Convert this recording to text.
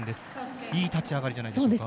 いい立ち上がりじゃないですか。